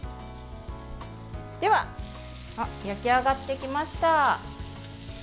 では、焼き上がってきました。